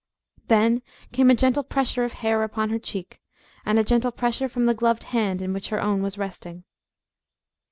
Then came a gentle pressure of hair upon her cheek, and a gentle pressure from the gloved hand in which her own was resting.